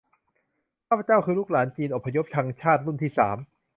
ข้าพเจ้าคือลูกหลานจีนอพยพชังชาติรุ่นที่สาม